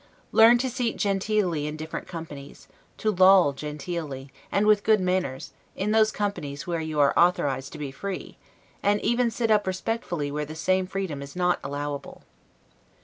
Learn to seat genteelly in different companies; to loll genteelly, and with good manners, in those companies where you are authorized to be free, and to sit up respectfully where the same freedom is not allowable.